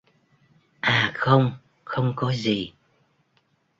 à không Không có gì